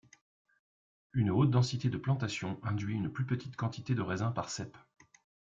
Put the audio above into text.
Une haute densité de plantation induit une plus petite quantité de raisin par cep.